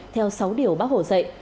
theo sáu điều bác hổ dạy